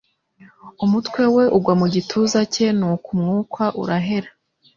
Umutwe we ugwa mu gituza cye nuko umwuka urahera.